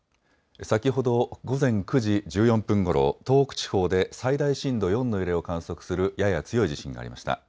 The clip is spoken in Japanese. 先ほど、午前９時１４分ごろ東北地方で最大震度４の揺れを観測するやや強い地震がありました。